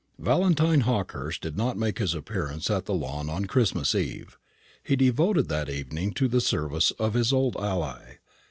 Valentine Hawkehurst did not make his appearance at the Lawn on Christmas eve. He devoted that evening to the service of his old ally.